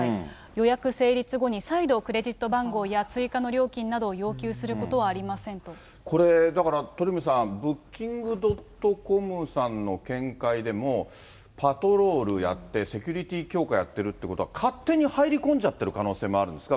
予約成立後に再度、クレジット番号や追加の料金などを要求するここれ、だから鳥海さん、ブッキング・ドットコムさんの見解でも、パトロールやって、セキュリティー強化やってるっていうことは、勝手に入り込んじゃってる可能性もあるんですか？